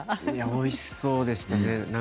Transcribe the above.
おいしそうでしたね。